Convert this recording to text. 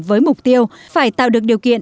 với mục tiêu phải tạo được điều kiện